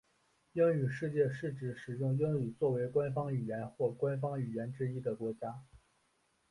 英语世界指使用英语作为官方语言或官方语言之一的国家。